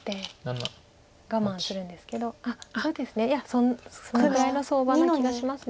そのくらいの相場な気がします。